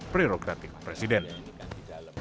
dan ini kan di dalam